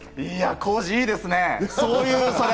浩次、いいですね。